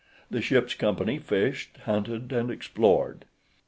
The ship's company fished, hunted, and explored.